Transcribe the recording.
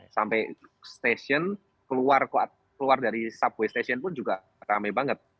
sampai stasiun keluar dari subway stasiun pun juga ramai banget